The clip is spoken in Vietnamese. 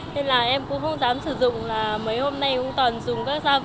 nên là em cũng không dám sử dụng là mấy hôm nay cũng toàn